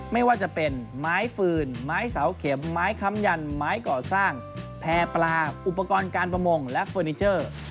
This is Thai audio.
ไม่ว่าจะเป็นไม้ฟืนไม้เสาเข็มไม้คำยันไม้ก่อสร้างแพร่ปลาอุปกรณ์การประมงและเฟอร์นิเจอร์